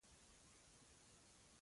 د عمومي سړک غاړې ته په راوتلو کې وو.